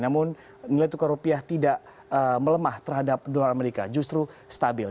namun nilai tukar rupiah tidak melemah terhadap dolar amerika justru stabil